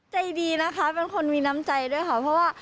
ใจดีนะคะค่ะเป็นคนมีน้ำใจด้วยนะคะ